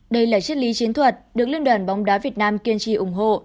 đây là chiếc lý chiến thuật được liên đoàn bóng đá việt nam kiên trì ủng hộ